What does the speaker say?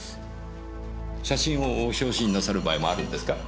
写真を表紙になさる場合もあるんですか？